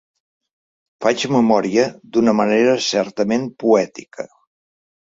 Faig memòria d'una manera certament poètica.